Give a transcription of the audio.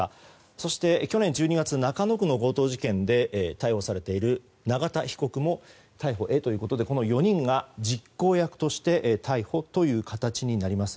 そして去年１２月中野区の強盗事件で逮捕されている永田被告も逮捕へということでこの４人が実行役として逮捕という形になります。